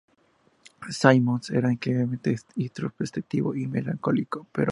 Symonds era increíblemente introspectivo y melancólico, pero con gran capacidad de acción.